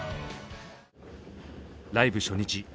ライブ初日。